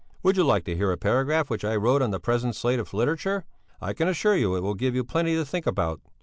Would you like to hear a paragraph which I wrote on the present state of literature? I can assure you it will give you plenty to think about.